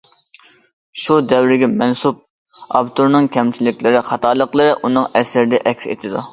شۇ دەۋرگە مەنسۇپ ئاپتورنىڭ كەمچىلىكلىرى، خاتالىقلىرى ئۇنىڭ ئەسىرىدە ئەكس ئېتىدۇ.